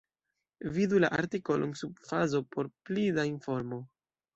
Vidu la artikolon sub fazo por pli da informo.